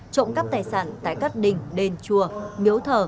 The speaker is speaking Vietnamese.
trộm cắp tài sản tại các đình đền chùa miếu thờ